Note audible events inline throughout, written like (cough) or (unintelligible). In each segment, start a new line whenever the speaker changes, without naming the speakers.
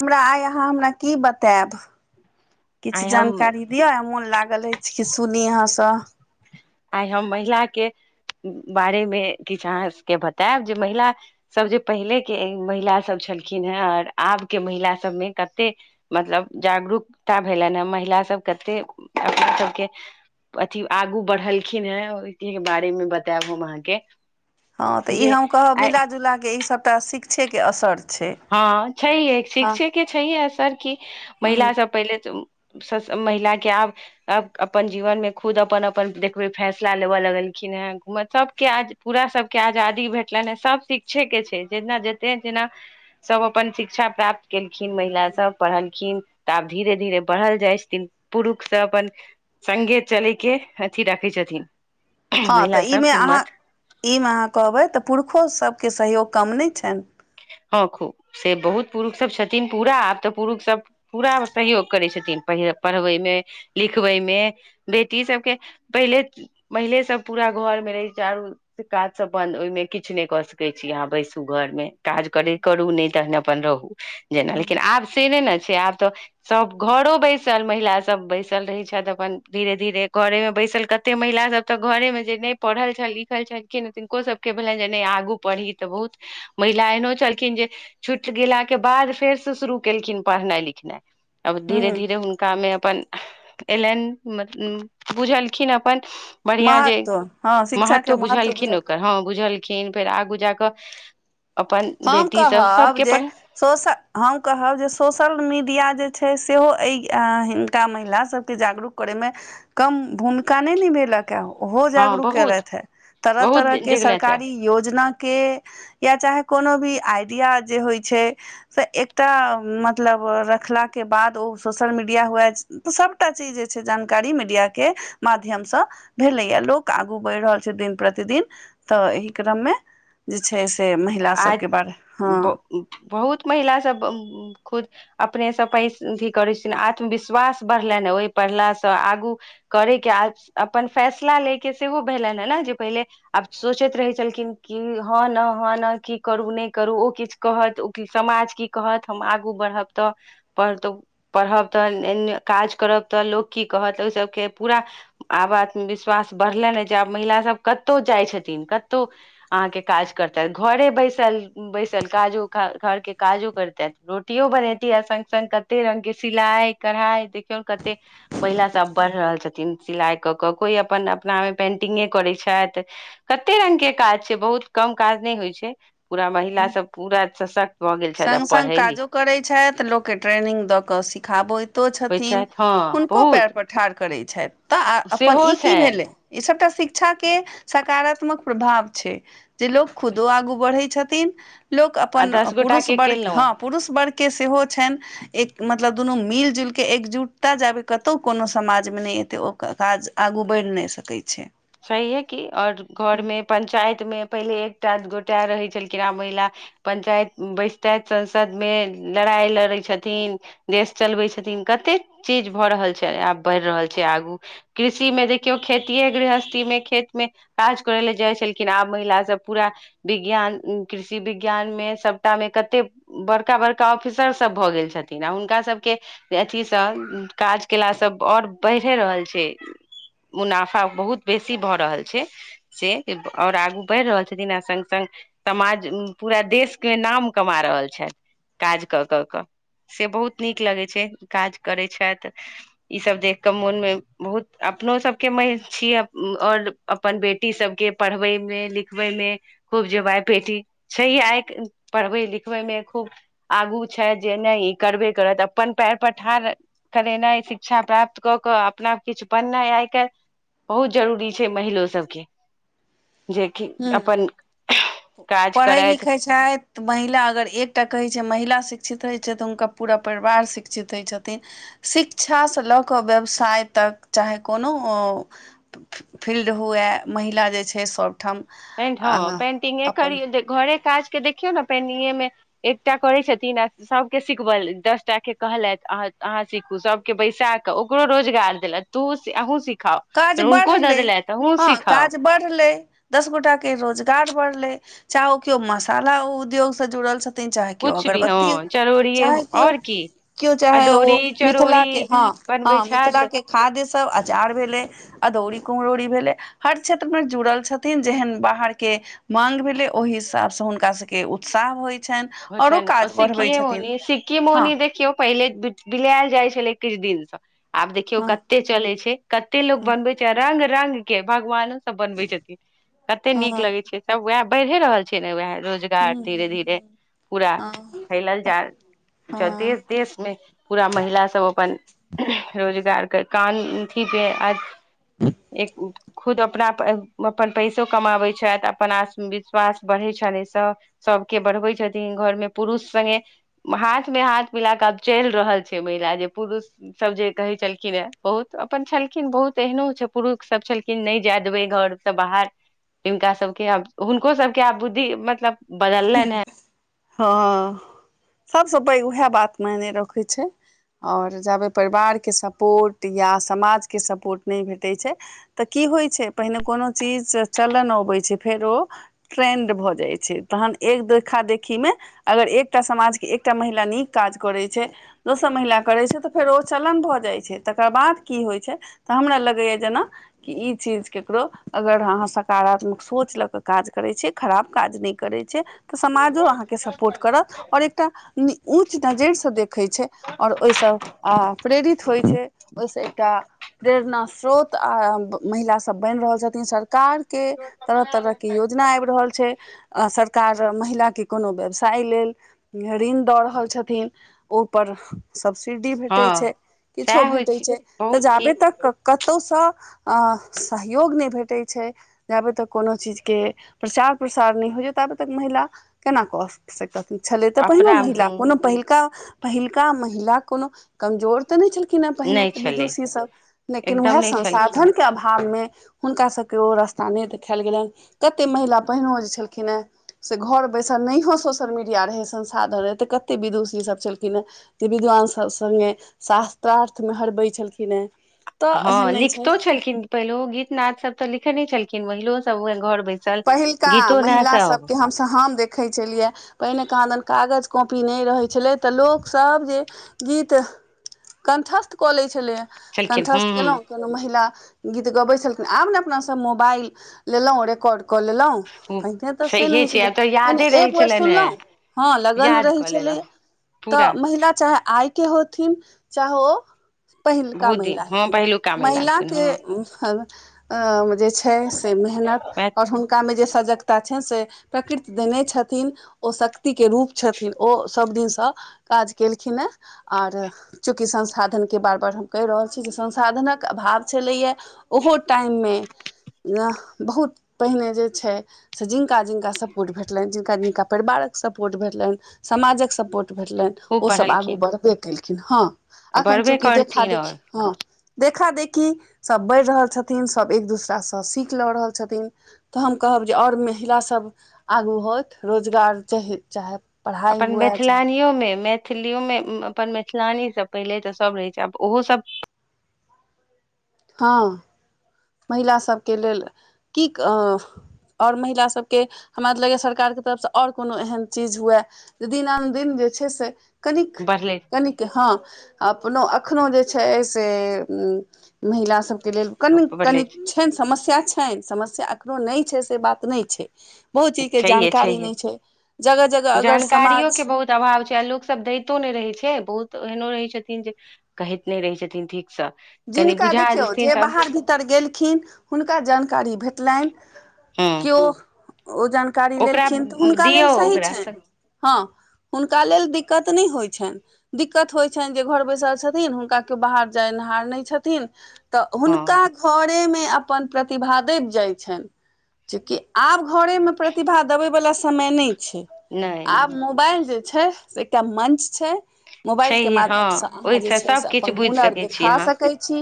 हमरा आइ अहाँ हमरा की बतायब किछु
आइ हम
जानकारी दिअ मोन लागल अय कीछ कीछ सुनी अहाँसँ
आइ हम महिला के बारे मे किछु अहाँके बतायब जे महिला सभ जे पहिलेके महिला सभ छलखिन हेँ आओर आबके महिला सभमे कते मतलब जागरूकता भेलनि हेँ महिला सभ कते अपना सबके अथी आगू बढ़लखिन हे हुनके बारेमे बतायब हम अहाँके
हँ तऽ ई
जे
हम कहब
आइ
मिलाजुल के ई सभटा शिक्षेके असर छै
हँ छैहे
हँ
शिक्षे के छैहे असर की महिला
हँ
सब पहिले तऽ सब महिला के आब आ अपन जीवन मे खुद अपन अपन देखबे फैसला लेबऽ लगलखिन हे घूम सबके आज पूरा सभके आजादी भेटलनि हें सभ शिक्षेके छै जेना जते जेना सभ अपन शिक्षा प्राप्त केलखिन महिला सब पढ़लखिन तऽ आब धीरे धीरे बढ़ल जाइ छथिन पुरुष सँ अपन संगे चलै के अथी राखै छथिन
हँ तऽ
महिला सब
ईमे
हिम्मत
अहाँ ईमे अहाँ कहबै तऽ पुरुषो सभके सहयोग कम नहि छनि
हँ खूब से बहुत पुरुष सब छथिन पूरा आब तऽ पुरुष सब पूरा सहयोग करै छथिन पहि पढ़बैमे लिखबैमे बेटी सबके पहिले महिले सब पूरा घर मे रहै चारू से काज सब अपन ओहिमे किछु नहि कऽ सकैत छी अहाँ बैसू घर मे काज करै करू नहि तहन अपन रहू जेना लेकिन आब से नहि ने छै आब तऽ सभ घरो बैसल महिलाासब सभ बैसल रहै छथि अपन धीरे धीरे घरेमे बैसल कत एते महिला सब तऽ घरे मे जे नहि पढ़ल छल लिखल छलखिन तनको सब के भेलनि जे नहि आगू पढ़ी तऽ बहुत (unintelligible) महिला एहनो छलखिन जे छुटि गेलाके बाद फेर से शुरू केलखिन पढ़नाइ लिखनाइ अब धीेरे धीर ह का मे अपन एलनि बुझलखिन अपन बढ़िआं जे
महत्व हँ शिक्षाके
महत्व बुझलखिन
बुझल
ओकर हँ बुझलखिन फेर आगू जााकऽ
हम कहब
पढ़
जे सोशल हम कहब जे सोशल मीडिया जे छै सेहो एहि हिनका महिला सबके जागरूक करे मे कम भूमिका नहि निभेलक के ओहो
हँ
जागरूक
बहुत
केलथि हे तरह
बहुत
तरह के
जगलथि हे
सरकारी योजना के या चाहे कोनो भी आइडिया जे होइ छै से एकटा मतलब रखलाके बाद ओ सोशल मीडिया हुए सभटा चीज जे छै जानकारी मीडियाके माध्यमसँ भेलैए लोक आगू बढ़ि रहल छै दिन प्रतिदिन तऽ एहि क्रममे जे छै से महिला
आ
सभके बारे हँ
बहुत महिला सब खुद अपनेसँ पै अथी करै छन आत्मविश्वास बढ़लनि ह ओहि पढ़लासँ आगू करयके आ अपन फैसला लेके सेहो भेलनि हे ने जे पहिले आब सोचैत रहै छलखिन कि हँ न हँ न की करू नहि करू ओ किछु कहत ओ समाज की कहत हम आगू बढ़ब तऽ पढ़तौ पढ़ब तऽ एने काज करब तऽ लोक की कहत ओहि सभके पूरा आब आत्मविश्वास बढ़लनि ह जे आब महिलासभ कतहु जाइ छथिन कतहु अहाँके काज करतै घरे बैसल बैसल काजो घर के काजो करतैत रोटियो बनेती आ स्ग सङ्ग क कते रंग के सिलाइ कढ़ाइ देखियौ कते महिला सब बढ़ रहल छथिन सिलाई कऽ क कोइ अपन अपना मे पेंटिंगे करै छथि कते रंग के काज छै बहुत कम काज नहि होय छै पूरा महिला सब पूरा सशक्त भऽ गेल छथि आ
संग संग
पढ़ै
काजो
लिखै
करे छथि लोक के ट्रेनिंग द के सिखाबैत तो छथिन
छथि हँ
हुनको
बहुत
पयर पर ठाढ़ करै छथि तऽ अपन
सेहो
ई की भेलै
छनि
ई सभटा शिक्षाके सकारात्मक प्रभाव छै जे लोक खुदो आगू बढ़ैत छथिन लोक
आ
अपन
दस गोटा
पुरुष
के
वर्ग हँ
केलहुँ
पुरुष वर्गके सेहो छनि एक मतलब दुनू मिल जुलि कऽ एकजुटता जाबै कतहु कोनो समाजमे नहि एतै ओ काज आगू बढ़ि नहि सकै छै
सही हे क और घर मे पंचायत मे पहिले एकटा गोटा रहै छलखिन महिला पंचायत बैसतथे सब मे लड़ाइ लड़ै छथिन देश चलबै छथिन आब कते चीज बढि रहल छै आगु कृषि मे देखियौ खेती ह गृहस्थ ई मे खेत मे काज करै लए जाइ छलखिन आब महिला सब पूरा विज्ञान कृषि विज्ञानमे सभटामे कतेक बड़का बड़का ऑफिसर सब भऽ गेल छथिन आ हुनका सभके अथीसँ काज केलासँ आओर बढ़ए रहल छै मुनाफा बहुत बेसी भऽ रहल छै से आओर आगू बढ़ि रहल छथिन आ सङ्ग सङ्ग समाज पूरा देशके नाम कमा रहल छथि काज कऽ कऽ कऽ से बहुत नीक लगै छै काज करै छथि ई सब देख के मोन मे बहुत अपनो सब के मे छियै आओर अपन बेटी सबके पढ़बै मे लिखबै मे खूब जबाय बेटी छैह आइ पढ़बै लिखबै मे खूब आगू छै जे नहि ई करबे करत अपन पैर पर ठाढ़ करेनाइ शिक्षा प्राप्त कऽ कऽ अपना किछु बननाइ आइ काल्हि बहुत जरूरी छै महिलो सबके जेकि
हूँ
अपन काज
पढ़ै
करथि
लिखैत छथि तऽ महिला अगर एकटा कहै छै महिला शिक्षित होइत छै तऽ हुनका पूरा परिवार शिक्षित होइत छथिन शिक्षासँ लऽ कऽ व्यवसाय तक चाहे कोनो फील्ड हुए महिला जे छै सभठाम
कटिंग
अपन
करियऔ घरे काज के देखियौ ने पेनिंगे मे एकटा करै छथिन आ सभके सिखबल दसटाे कहलथि अहाँ सिखू सभ के बैसा क ओकरो रोजगार देलथि तू अहूँ सिखाओ
काज बढ़लै हँ काज बढ़लै दस गोटा के रोजगार बढ़ले चाहे ओ केओ मसाला उद्योग से जुड़ल छथि चाहे कओ
कुछ भी
अगरबत्ती
हँ चरौड़िये
चाहे कओ
आओर की
केओ चाहे ओ
अदौरी
मिथिला
चरौरी
के हँ हँ
बनबै छथि
मिथिला के खाद्य सब आचार भेलै अदौरी कुम्हरौरी भेलै हर क्षेत्र मे जुड़ल छथिन जेहन बाहर के मांग भेलै ओहि हिसाबसँ हुनका सभके उत्साह होइत
ओ छै ने शिखि मौनि शिखी
हँ
मौनी देखियौ पहिले बिलयल जाइ छलै किछु दिनसँ आब देखियौ क
हँ
कते चले छै कते लोग
हँ
बनबे छै आ रंग रंग के भगवान बनबै छथिन कते
हँ
नीक लगै
हँ
छै सब वएह बढ़े रहल छै ने वएह रोजगार घ धीरे धीरे पूरा
हँ
फैलल जा
हँ
जदि
हँ
देशमे पूरा महिला सब अपन रोजगारके कामी आज एक खुद अपना अपन पैसो कमाबैत छथि अपन आत्मविश्वास बढ़ैत छनि एहिसँ सभके बढ़बै छथिन घरमे पुरुष संगे हाथ मे हाथ मिला क आब चलि रहल छै महिला जे पुरुष सब जे कहे छलखिन हे बहुत अपन छलखिन बहुत एहनो छै पुरुष सब छलखिन नहि जाय देबे घर बाहर हिनका सबके हुनको सबके आब बुद्धि मतलब बदललनि हेँ
हँ सबसँ पैघ उएह बात माने रखै छै आओर जाबै परिवारके सपोर्ट या समाजके सपोर्ट नहि भेटैत छै तऽ की होइ छै पहिने कोनो चीज चलन अबैत छै फेरो ट्रेन्ड भऽ जाइ छै तहन एक देखा देखीमे अगर एकटा समाजके एकटा महिला नीक काज करै छै दोसर महिला करैत छै तऽ फेर ओ चलन भऽ जाइत छै तकर बाद की होइत छै तऽ हमरा लगैएा जेना कि ई चीज ककरो अगर अहाँ सकारात्मक सोच लऽ कऽ काज करैत छियै खराब काज नहि करै छै तऽ समाजो अहाँके सपोर्ट करत आओर एक एकटा ऊँच नजरि से देखै छै आओर ओहिसँ आ प्रेरित होय छै ओहिसँ एकटा प्रेरणा स्रोत आ महिलासभ बनि रहल छथिन सरकारके तरह तरहके योजना आबि रहल छै आ सरकार महिलाके कोनो व्यवसाय लेल ऋण दऽ रहल छथिन ओहिपर सब्सिडी भेटैत
हँ
छै किछो
सएह होइ
भेटैत छै तऽ
बहुत की
जाबे तक कतहुसँ सहयोग नहि भेटैत छै जाबे तक कोनो चीज के प्रचार प्रसार नहि हो जेत आब तक महिला केना कऽ सकन छलै तऽ पहिनो
अपना
महिला
हूँ
कोनो पहिलका पहिलका महिला कोनो कमजोर तऽ नहि छलखिन हे पहिने
नहि
तऽ
छलै
विदुषी सब लेकिन
एकदम
उएह
नहि छलखिन
संसाधने अभावमे हुनका सभके ओ रास्ता नहि देखायल गेलनि कते महिला पहिनो जे छलखिन हे से घर बैसल नहिओ सोशल मीडिया रहै संसाधन रहै तऽ कतेक विदुषीसभ छलखिन हेँ जे विद्वान सभ सङ्गे शास्त्रार्थमे हरबै छलखिन हेँ तऽ
हँ
एहन नहि छै
लिखतो छलखिन पहिलो गीत नाद सब तऽ लिखने छलखिन महिलो सबह घर बैस
पहिलका महिला सभके छ त हम देखै छलियै पहिने कहाँदनि कागज कॉपी नहि रहै छलै तऽ लोकस जे गीत कण्ठस्थ कऽ लैत छलै
छलखिन
कण्ठस्थ
हूँ
केलहुँ कोनो महिला गीत गबै छलखिन आब ने अपनासँ मोबाइल लेलहुँ रेकॉर्ड कऽ लेलहुँ
हूँ
पहिनेे तऽ से नहि
सहिए
होइ
छै
छलै
आब तऽ यादे
पहिने
रहै
एक बेर
छलनि हेँ
सुनलहुँ हँ लगन
याद
रहै
कऽ लेलहुँ
छलैए
पूरा
तऽ महिला चाहे आय के होथिन चाहे ओ पहिलका
बहुत
महिला
दिन हँ
हेथिन
पहिलुका महिला होथिन
महिलाके
हँ
जे छै से मेहनत
वएह
आओर हुनकामे जे सजगता छनि से प्रकृति देने छथिन ओ शक्तिके रूप छथिन ओ सभ दिनसँ काज केलखिन हेँ आओर चूँकि संसाधनके बार बार हम कहि रहल छी जे संसाधनक अभाव छलैए ओहो टाइममे बहुत पहिने जे छै से जिनका जिनका सपोर्ट भेटलनि जिनका जिनका परिवारक सपोर्ट भेटलनि समाजक सपोर्ट भेटलनि
खूब
ओसभ आगू
पढ़लखिन
बढ़बे केलखिन हँ
आ
अखन
बढ़बे
चुकी देखा
करथिन
दखि
आओर
हँ देखा देखी सब बढ़ रहल छथिन सब एक दोसराास से सीख लऽ रहल छथिन तऽ हम कहब जे आओर महिलासभ आगू होथ रोजगार चाहे चाहब
अपन मैथिलानि ओमे मै मैथिलियो मे अपन मैथिलानी सब पहिले तऽ सब रहै छै आब ओहो सब
हँ महिलासभके लेल की आओर महिलासभके हमरा लगैए सरकारके तरफसँ आओर कोनो एहन चीज हुए दिनानुदिन जे छै से कनिक
बढ़ले
कनिक कि हँ अपनो एखनो जे छै से महिला सबके लेल कनि
बढ़ले
कनी
छै।
छनि समस्या छनि समस्या एखनो नहि छै से बात नहि छै बहुत चीजके
छैहे
जानकारी
छैहे
नहि छै जगह जगह अगर
जानकारियो
समाज
(unintelligible) छै आ लोक सब दैतो नहि रहै छै बहुत एहनो रहै छथिन जे कहैत नहि रहै छथिन ठीकसँ कनि
जिनका
बुझा
देखियौ
जेथिन
जे
तऽ
बाहर भीतर गेलखिन हुनका जानकारी भेटलनि
हँ
केओ ओ जानकारी
ओकरा
लेलखिन तऽ हुनका लेल
दियौ
सही
ओकरा तऽ
छनि हँ हुनका लेल दिक्कत नहि होइ छनि दिक्कत होई छनि जे घर बैसल छथिन हुनका कियो बाहर जैनहार छथिन तऽ
हँ
हुनका घरेमे अपन प्रतिभा दैब जाइ छनि चूँकि आब घरे मे प्रतिभा देबे वाला समय नहि छै
नहि
आब
नहि
मोबाइल जे छै से एकटा मञ्च छै मोबाइलके
छैहे
माध्यमसँ
हँ
अहाँ जे
ओहिसँ
छै से
सभकिछु
अपन
बुझि
हुनर
सकै
देखा
अहाँ
सक छी स छी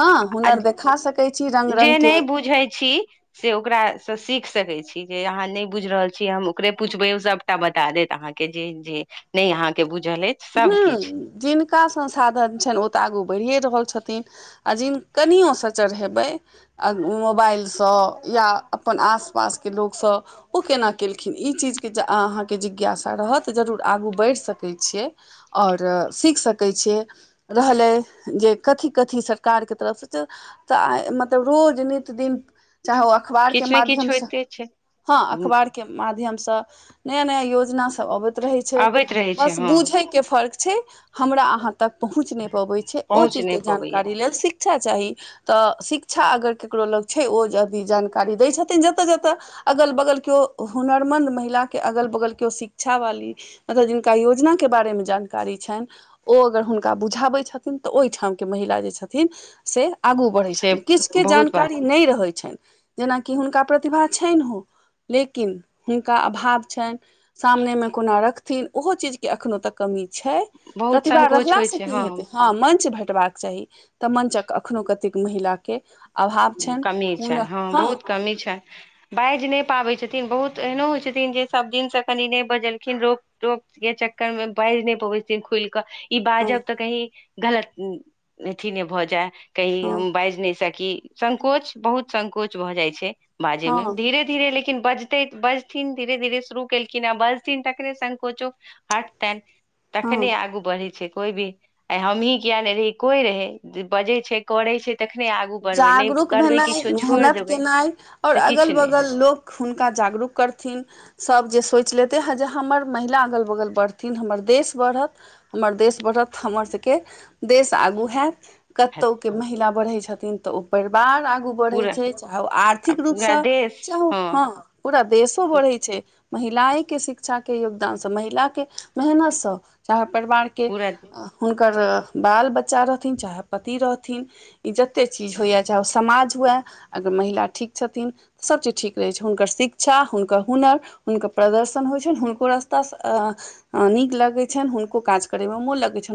हँ
आ
हुनर देखा सकै छी रंग
जे
रंग के
(unintelligible) छी से ओकरासँ सीख सकै छी जे अहाँ नहि बुझ रहल छी हम ओकरे पुछबे ओ सब टा बता देत अहाँके जे जे नहि अहाँके बुझल अछि
हं
सभकिछु
जिनका संसाधन छनि ओ तऽ आगू बढ़िए रहल छथिन आ जिन कनियोसँ चढ़ेबै मोबाइलसँ या अपन आस पासके लोकसँ ओ केना केलखिन ई चीजके अहाँके जिज्ञासा रहत तऽ जरूर आगू बढ़ि सकै छियै आओर सीख सकै छियै रहलै जे कथी कथी सरकारके तरफसँ तऽ मतलब रोज नित दिन चाहे ओ अखबार
किछु
के
किछु ने किछु
माध्यमस
होइते छै
हँ अखबार के माध्यम से नया नया योजना सब अबैत रहै छै
अबैत रहै छै
बस
हँ
बूझे के फर्क छै हमरा अहाँ तक पहुँच नहि पबै छै ओ
पहुँच
चीज
नहि
के
पबैया
जानकारी लेल स शिक्षा चाही तऽ शिक्षा अगर ककरो लग छै ओ अभी जानकारी दै छथिन जतऽ जतऽ अगल बगल केओ हुनरमन्द महिला के अगल बगल केओ शिक्षा वाली जिनका योजना के बारेमे जानकारी छनि ओ अगर हुनका बुझाबै छथिन तऽ ओहिठामके महिला जे छथिन से आगू बढ़ैत
से
छथिन किछुके
बहुत बात
जानकारी नहि रहैत छनि जेनाकि हुनका प्रतिभा छनि हो लेकिन हुनका अभाव छनि सामनेमे कोना रखथिन ओहो चीजके अखनोहु तक कमी छै
बहुत
प्रतिभा
संकोच होइ
रहलासँ से
छै
की हेतै हँ मंच भेटबाक चाही तऽ मंचक एखनो कतेक महिला के
कमी छनि हँ बहुत कमी छनि बाजि नहि पाबै छथिन बहुत एहनो होइ छथिन जे सभ दिन से कनि नहि बजलखिन रोप टोप के चक्कर मे बाजि नहि पबैतथिन खुलि कऽ ई
हँ
बाजब तऽ कही गलत अथी ने भऽ जाय की हम
हँ
बाजि नहि सकी संकोच बहुत संकोच भऽ जाय छै बाजै मे
हँ
धीरे धीरे लेकिन बजते बजथिन धीरे धीरे शुरू केलखिन हें बजथिन तकरे संकोचो हटतनि
हँ
तखनि आगू बढ़ै छै कोइ भी आइ हमहीँ किया नहि रही कोई रहै बजै छै करै छै तखने आगू बढ़बै नहि
जागरूक
करबै
भेनाइ
किछो छोड़ि
मेहनत
देबै
केनाइ आओर
तऽ
अगल
किछु नहि
बगल
हैत
लोक हुनका जागरूक करथिन सभ जे सोचि लेतै हेँ जे हमर महिला अगल बगल बढ़थिन हमर देश बढ़त हमर देश बढ़त हमर सभके देश आगू हैत
हैत।
कतहु के महिला बढ़ै छथिन तऽ ओ परिवार आगू बढ़ै
पूरा
छै चाहे ओ
आ
आर्थिक
पूरा
रूपसँ
देश
चाहे ओ हँ पूरा देशो बढ़ै छै महिलाए के शिक्षा के योगदान से महिला के मेहनत से चाहे परिवार
पूरा
हुनकर बाल बच्चा रहथिन चाहे पति रहथिन ई जत्ते कतेक चीज होइए चाहे ओ समाज हुए अगर महिला ठीक छथिन सभचीज ठीक रहैत छै हुनकर शिक्षा हुनकर हुनर हुनकर प्रदर्शन होइ छनि हुनको रास्तास अ नीक लगैत छनि हुनको काज करे मे मोन लगैत छनि